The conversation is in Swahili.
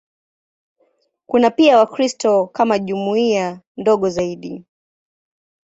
Kuna pia Wakristo kama jumuiya ndogo zaidi.